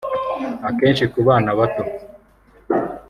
Akenshi ku bana bato